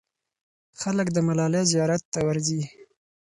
خلک د ملالۍ زیارت ته ورځي.